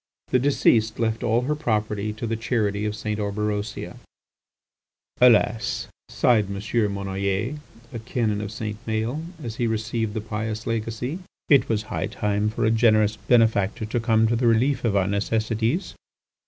The deceased left all her property to the Charity of St. Orberosia. "Alas!" sighed M. Monnoyer, a canon of St. Maël, as he received the pious legacy, "it was high time for a generous benefactor to come to the relief of our necessities.